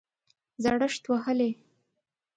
زړښت وهلی